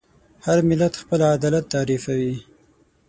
هر ملت خپل عدالت تعریفوي.